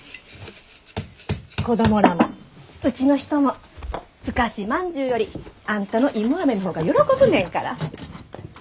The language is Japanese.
子供らもうちの人もふかしまんじゅうよりあんたの芋アメの方が喜ぶねんから。